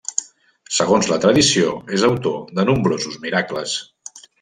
Segons la tradició, és autor de nombrosos miracles.